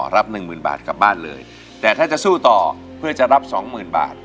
รับหนึ่งหมื่นบาทกลับบ้านเลยแต่ถ้าจะสู้ต่อเพื่อจะรับสองหมื่นบาท